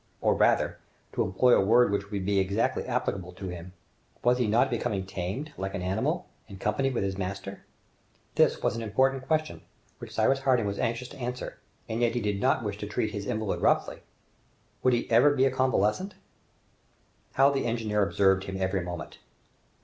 or rather, to employ a word which would be exactly applicable to him, was he not becoming tamed, like an animal in company with his master? This was an important question, which Cyrus Harding was anxious to answer, and yet he did not wish to treat his invalid roughly! Would he ever be a convalescent? How the engineer observed him every moment!